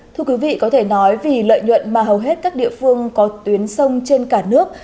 thưa quý vị có thể nói vì lợi nhuận mà hầu hết các địa phương có tuyến sông trên cả nước